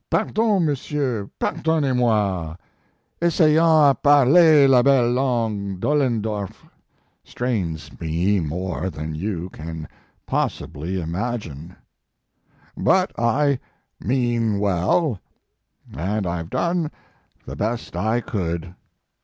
Pardon, messieurs, pardonnez moi; essayant a parler la belle langue d Ollendorf strains me more than you can possibly imagine. But I mean well, and I ve done the best I could."